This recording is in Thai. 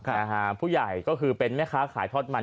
นะฮะผู้ใหญ่ก็คือเป็นแม่ค้าขายทอดมัน